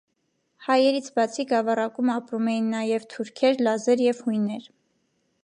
Հայերից բացի գավառակում ապրում էին նաև թուրքեր, լազեր և հույներ։